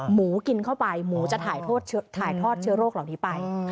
หมูกินเข้าไปหมูจะถ่ายทอดเชื้อโรคเหล่านี้ไป